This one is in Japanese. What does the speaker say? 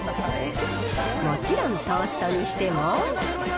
もちろんトーストにしても。